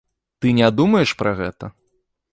Ты не думаеш пра гэта?